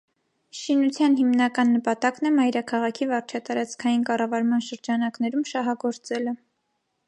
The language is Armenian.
Շինության հիմնական նպատակն է մայրաքաղաքի վարչատարածքային կառավարման շրջանակներում շահագործելը։